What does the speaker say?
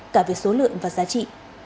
cả về số lượng và giá trị